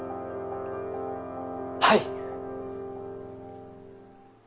はい！